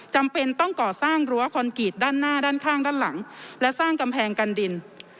จำเป็นต้องก่อสร้างรั้วคอนกรีตด้านหน้าด้านข้างด้านหลังและสร้างกำแพงกันดิน